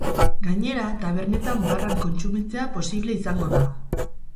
Gainera, tabernetan barran kontsumitzea posible izango da.